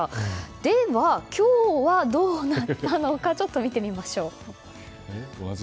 では、今日はどうなったのかちょっと見てみましょう。